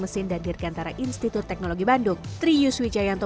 teknik mesin dan dirkantara institut teknologi bandung trius wijayanto